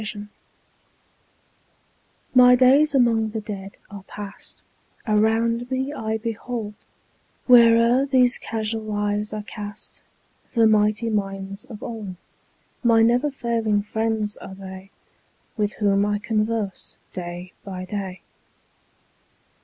His Books MY days among the Dead are past; Around me I behold, Where'er these casual eyes are cast, The mighty minds of old: My never failing friends are they, 5 With whom I converse day by day.